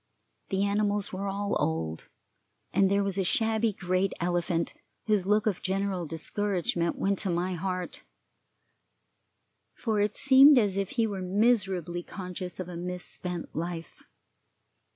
The animals were all old, and there was a shabby great elephant whose look of general discouragement went to my heart, for it seemed as if he were miserably conscious of a misspent life.